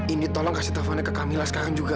indi tolong kasih teleponnya ke kamila sekarang juga